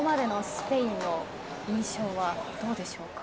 ここまでのスペインの印象はどうでしょうか。